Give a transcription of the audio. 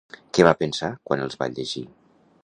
Què va pensar quan els va llegir?